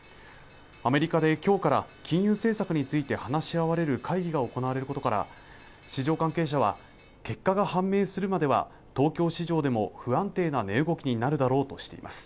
アメリカで今日から金融政策について話し合われる会議が行われることから市場関係者は結果が判明するまでは東京市場でも不安定な値動きになるだろうとしています